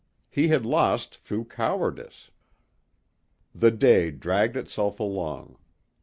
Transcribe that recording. He had lost through cowardice. The day dragged itself along.